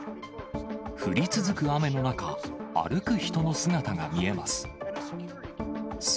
降り続く雨の中、歩く人の姿が見えます。